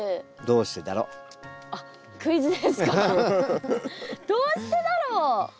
どうしてだろう？